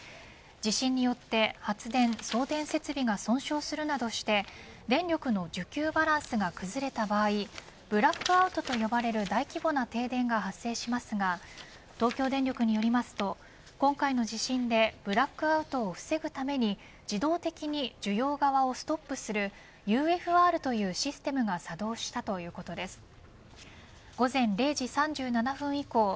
地震によって発電送電設備が損傷するなどして電力の需給バランスが崩れた場合ブラックアウトと呼ばれる大規模な停電が発生しますが東京電力によりますと今回の地震でブラックアウトを防ぐために自動的に需要側をストップするＵＦＲというシステムが作動したということです。